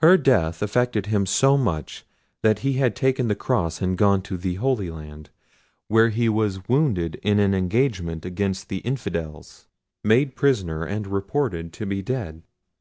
Her death affected him so much that he had taken the cross and gone to the Holy Land, where he was wounded in an engagement against the infidels, made prisoner, and reported to be dead.